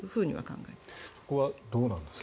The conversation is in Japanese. そこはどうなんですか。